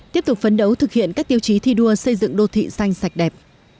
tiếp tục phấn đấu thực hiện các tiêu chí thi đua xây dựng đô thị xanh sạch đẹp